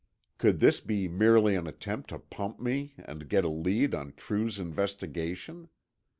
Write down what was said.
Could this be merely an attempt to pump me and get a lead on True's investigation?